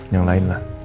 yang lain lah